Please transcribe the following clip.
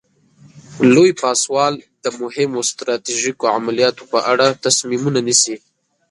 لوی پاسوال د مهمو ستراتیژیکو عملیاتو په اړه تصمیمونه نیسي.